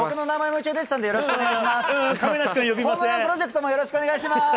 ホームランプロジェクトもよろしくお願いします。